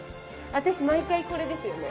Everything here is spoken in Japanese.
私毎回これですよね。